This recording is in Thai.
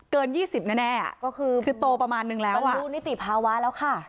เกิน๒๐แน่ก็คือโตประมาณนึงแล้วรู้นิติภาวะแล้วค่ะ